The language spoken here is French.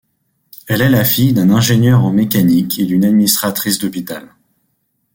Elle est la fille d'un ingénieur en mécanique et d'une administratrice d'hôpital.